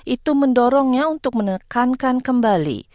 itu mendorongnya untuk menekankan kembali